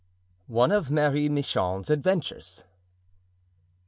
One of Marie Michon's Adventures.